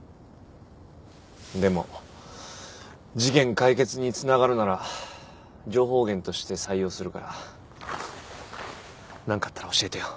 でも事件解決につながるなら情報源として採用するから何かあったら教えてよ。